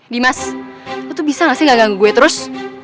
dimas lu tuh bisa gak sih gak ganggu gue terus